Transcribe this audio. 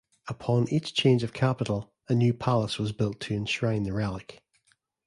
Upon each change of capital, a new palace was built to enshrine the relic.